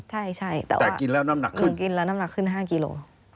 ใช่แต่กินแล้วน้ำหนักขึ้น๕กิโล